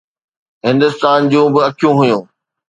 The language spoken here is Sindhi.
هندستان جون به اکيون هيون.